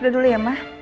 udah dulu ya ma